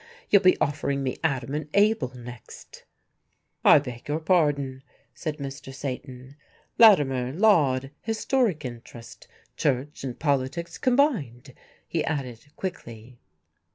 You'll be offering me Adam and Abel next." "I beg your pardon," said Mr. Satan, "Latimer, Laud Historic Interest, Church and Politics combined," he added quickly.